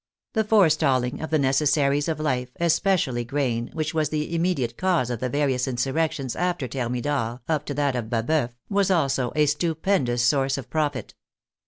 The forestalling of the necessaries of life, especially grain, which was the immediate cause of the various insurrec tions after Thermidor up to that of Baboeuf, was also a stupendous source of profit.